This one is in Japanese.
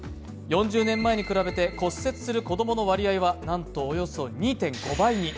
４０年前に比べて骨折する子どもの割合はなんと２．５倍に。